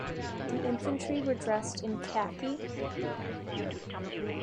The infantry were dressed in khaki.